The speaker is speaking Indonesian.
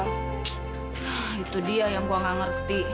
nah itu dia yang gue gak ngerti